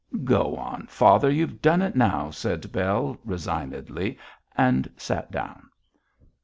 'Go on, father, you've done it now,' said Bell, resignedly, and sat down.